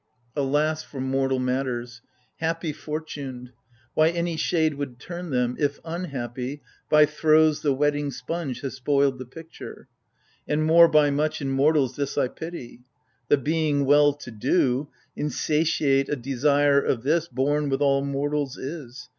Alas for mortal matters ! Happy fortuned, — Why, any shade would turn them : if unhappy. By throws the wetting sponge has spoiled the picture ! And more by much in mortals this I pity. The being well to do — Insatiate a desire of this Born with all mortals is.